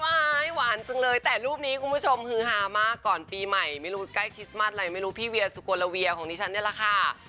หวานจังเลยแต่รูปนี้คุณผู้ชมฮือฮามากก่อนปีใหม่ไม่รู้ใกล้คริสต์มัสอะไรไม่รู้พี่เวียสุโกละเวียของดิฉันนี่แหละค่ะ